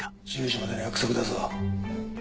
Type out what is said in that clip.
１０時までの約束だぞ。